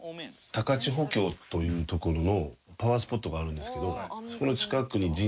高千穂峡という所のパワースポットがあるんですけど。